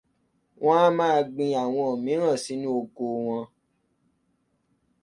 Wọ́n a máa gbin àwọn miran sínú oko wọn.